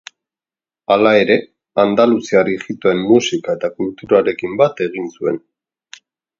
Hala ere, andaluziar ijitoen musika eta kulturarekin bat egin zuen.